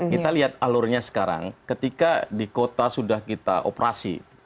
kita lihat alurnya sekarang ketika di kota sudah kita operasi